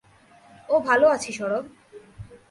ও ভালো আছে, সরব।